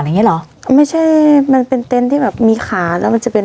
อย่างเงี้เหรอไม่ใช่มันเป็นเต็นต์ที่แบบมีขาแล้วมันจะเป็น